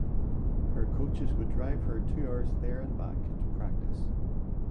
Her coaches would drive her two hours there and back to practice.